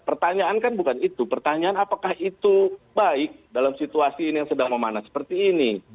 pertanyaan kan bukan itu pertanyaan apakah itu baik dalam situasi ini yang sedang memanas seperti ini